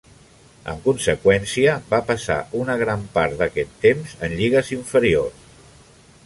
En conseqüència, va passar una gran part d'aquest temps en lligues inferiors.